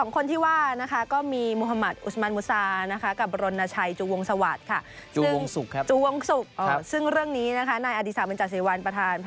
๒คนที่ว่านะคะก็มีมุธมัติอุสมันมุษา